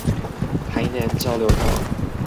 台南交流道